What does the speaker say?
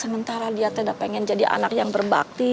sementara dia tidak pengen jadi anak yang berbakti